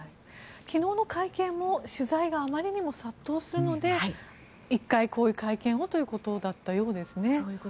昨日の会見も取材があまりにも殺到するので１回、こういう会見をということだったようですね。